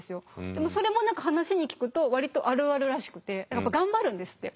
でもそれも何か話に聞くと割とあるあるらしくて頑張るんですって。